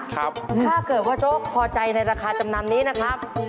ถ้าเกิดว่าโจ๊กพอใจในราคาจำนำนี้นะครับ